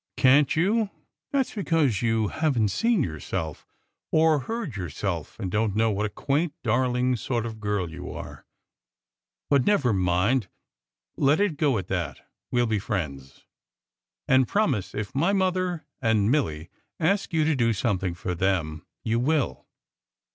"Can t you? That s because you haven t seen your self, or heard yourself, and don t know what a quaint, dar ling sort of girl you are. But never mind. Let it go at that. We ll be friends. And promise, if my mother and Milly ask you to do something for them, you will."